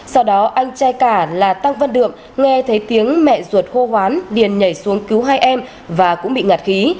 sau đó anh trai cả là tăng văn đượm nghe thấy tiếng mẹ ruột hô hoán điền nhảy xuống cứu hai em và cũng bị ngạt khí